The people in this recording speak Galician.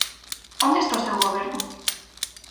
¿Onde está o seu Goberno?